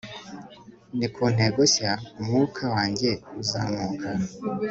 ni ku ntego nshya umwuka wanjye uzamuka